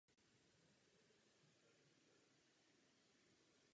Přesun na dnešní místo byl postupný.